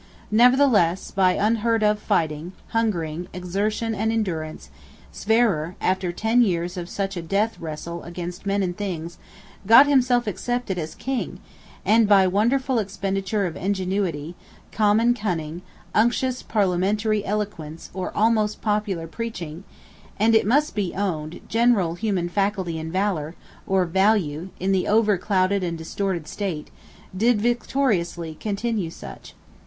Nevertheless by unheard of fighting, hungering, exertion, and endurance, Sverrir, after ten years of such a death wrestle against men and things, got himself accepted as King; and by wonderful expenditure of ingenuity, common cunning, unctuous Parliamentary Eloquence or almost Popular Preaching, and (it must be owned) general human faculty and valor (or value) in the over clouded and distorted state, did victoriously continue such.